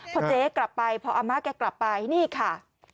พอเจ๊กลับไปพออาม่าแกกลับไปนี่ค่ะ